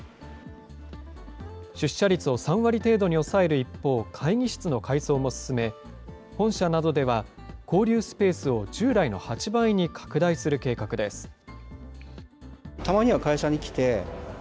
出社率を３割程度に抑える一方、会議室の改装も進め、本社などでは、交流スペースを従来の８倍に拡大する計画です。